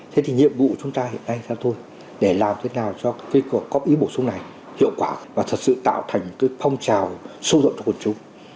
thế thì nhiệm vụ chúng ta hiện nay là sao thôi để làm thế nào cho cái có ý bổ sung này hiệu quả và thật sự tạo thành cái phong trào sâu rộn cho quần chúng